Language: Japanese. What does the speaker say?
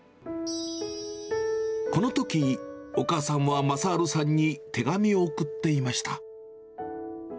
このとき、お母さんは雅治さんに手紙を送っていました。